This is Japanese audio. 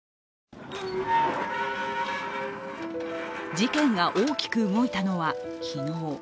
事件が大きく動いたのは昨日。